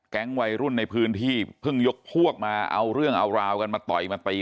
วัยรุ่นในพื้นที่เพิ่งยกพวกมาเอาเรื่องเอาราวกันมาต่อยมาตี